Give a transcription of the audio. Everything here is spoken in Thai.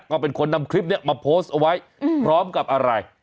ก็เป็นคนนำคลิปนี้มาโพสต์เอาไว้พร้อมกับอะไร